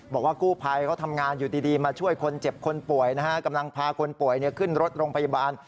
บอกว่ากู้ภัยเขาทำงานอยู่ดีมาช่วยคนเจ็บคนป่วยนะฮะกำลังพาคนป่วยขึ้นรถโรงพยาบาล